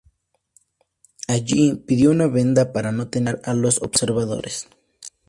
Allí, pidió una venda para no tener que mirar a los observadores.